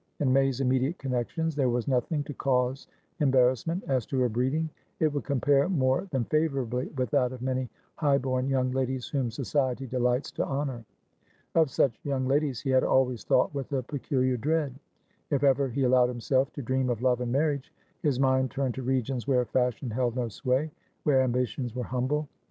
In May's immediate connections, there was nothing to cause embarrassment; as to her breeding it would compare more than favourably with that of many high born young ladies whom Society delights to honour. Of such young ladies he had always thought with a peculiar dread. If ever he allowed himself to dream of love and marriage, his mind turned to regions where fashion held no sway, where ambitions were humble.